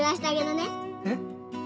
えっ？